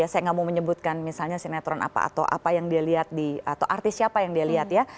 saya nggak mau menyebutkan misalnya sinetron apa atau artis siapa yang dia lihat ya